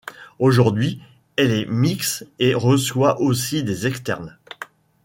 Aujourd'hui elle est mixte et reçoit aussi des externes.